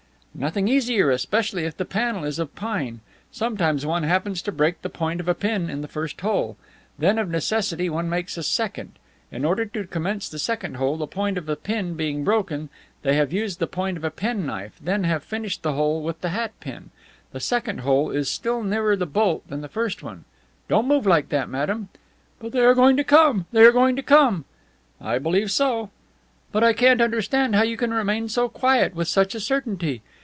"Nothing easier, especially if the panel is of pine. Sometimes one happens to break the point of a pin in the first hole. Then of necessity one makes a second. In order to commence the second hole, the point of the pin being broken, they have used the point of a pen knife, then have finished the hole with the hat pin. The second hole is still nearer the bolt than the first one. Don't move like that, madame." "But they are going to come! They are going to come!" "I believe so." "But I can't understand how you can remain so quiet with such a certainty.